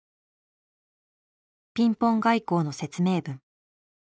ピンポン外交の説明文。